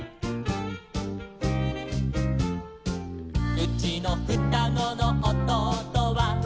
「うちのふたごのおとうとは」